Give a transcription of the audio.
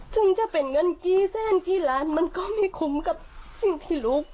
ซึ่งจะเป็นเงินกี่แสนกี่ล้านมันก็ไม่คุ้มกับสิ่งที่รู้